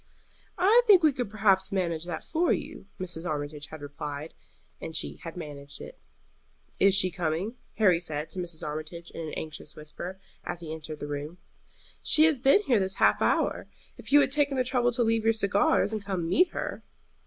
"I think we could perhaps manage that for you," Mrs. Armitage had replied, and she had managed it. "Is she coming?" Harry said to Mrs. Armitage, in an anxious whisper, as he entered the room. "She has been here this half hour, if you had taken the trouble to leave your cigars and come and meet her."